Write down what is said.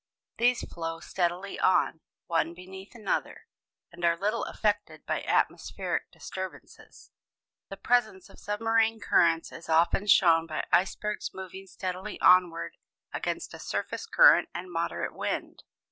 These flow steadily on, one beneath another, and are little affected by atmospheric disturbances. The presence of submarine currents is often shown by icebergs moving steadily onward against a surface current and moderate wind.